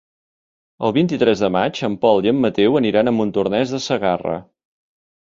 El vint-i-tres de maig en Pol i en Mateu aniran a Montornès de Segarra.